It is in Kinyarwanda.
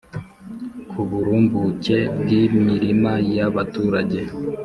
ku burumbuke bw'imirima y'abaturage